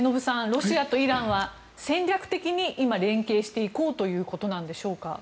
ロシアとイランは戦略的に今、連携していこうということなんでしょうか。